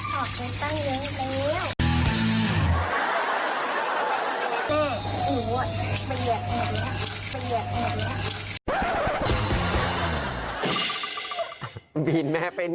ขอบคุณตั้งนี้แน่นี้